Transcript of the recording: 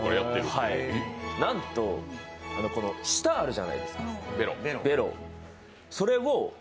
なんと、この舌、あるじゃないですか、ベロ。